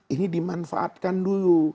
ini dimanfaatkan dulu